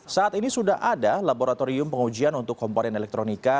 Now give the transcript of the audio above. saat ini sudah ada laboratorium pengujian untuk komponen elektronika